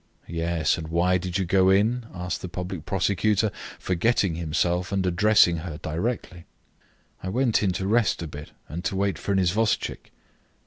"Yes, and why did you go in?" asked the public prosecutor, forgetting himself, and addressing her directly. "I went in to rest a bit, and to wait for an isvostchik."